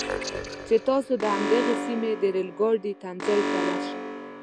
چې تاسو د همدغې سیمې د ریل ګاډي تمځي ته ورشئ.